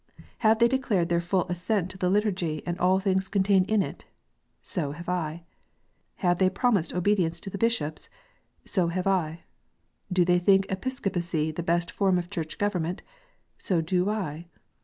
Have they declared their full assent to the Liturgy and all things contained in it ? So have I. Have they pro mised obedience to the Bishops ? So have I. Do they think Episcopacy the best form of Church government ? So do I.